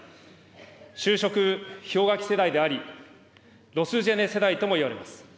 就職氷河期世代であり、ロスジェネ世代ともいわれます。